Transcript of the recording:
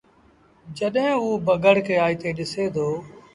جڏهيݩٚ اوٚ بگھڙ کي آئيٚتي ڏسي دو